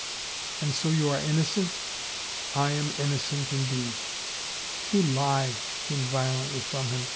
" And so you are innocent ?"" I am innocent, indeed." "You lie," came violently from him.